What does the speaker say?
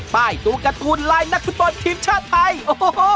ป้ายตู้การ์ทูลไลน์นักขึ้นบนทีมชาติไทยโอ้โฮ